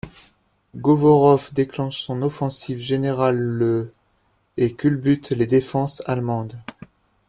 Govorov déclenche son offensive générale le et culbute les défenses allemandes.